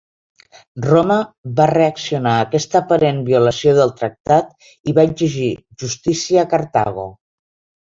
Roma va reaccionar a aquesta aparent violació del tractat i va exigir justícia a Cartago.